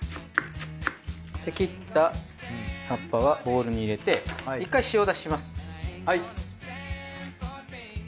切った葉っぱはボウルに入れて１回塩だしします。